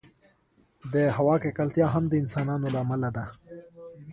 د هوا ککړتیا هم د انسانانو له امله ده.